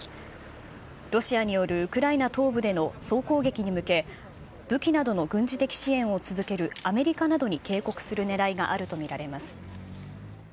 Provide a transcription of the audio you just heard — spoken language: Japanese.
ロシアによるウクライナ東部での総攻撃に向け、武器などの軍事的支援を続けるアメリカなどに警告するねらいがあると見られます。